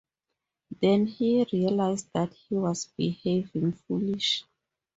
Then he realised that he was behaving foolishly.